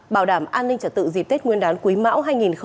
bảo đảm an ninh trả tự dịp tết nguyên đán quý mão hai nghìn hai mươi ba